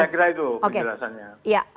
saya kira itu penjelasannya